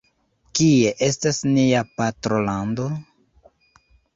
Kie estas nia patrolando?